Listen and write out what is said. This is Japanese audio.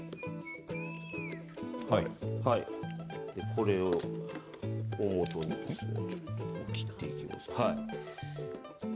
これをちょっと切っていきます。